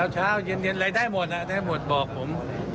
เช้าเย็นอะไรได้หมดได้หมดบอกผม